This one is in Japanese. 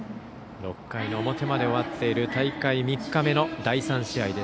６回表まで終わっている大会３日目の第３試合。